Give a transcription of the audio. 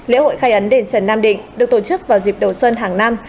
lễ hội khai ấn đền trần nam định được tổ chức vào dịp đầu xuân hàng năm